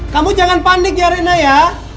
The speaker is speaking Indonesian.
kamu jangan panik ya rena ya